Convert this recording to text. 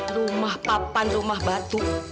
rumah papan rumah batu